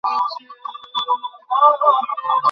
বড়দের কথার মাঝে বাধা দিও না।